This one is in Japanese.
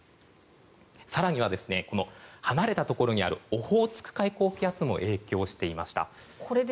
更には、離れたところにあるオホーツク海高気圧も影響していました。